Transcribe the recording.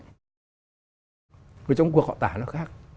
người trong cuộc họ tả nó khác